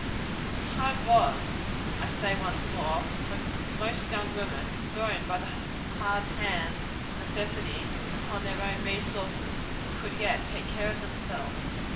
The time was, I say once more, when most young women, if thrown by the hard hand of necessity upon their own resources, could yet take care of themselves.